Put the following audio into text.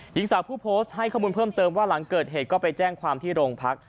หญิงสาวผู้โพสต์ให้ข้อมูลเพิ่มเติมว่าหลังเกิดเหตุก็ไปแจ้งความที่โรงพัก